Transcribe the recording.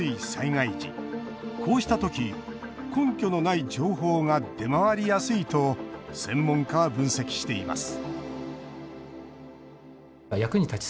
こうした時、根拠のない情報が出回りやすいと専門家は分析しています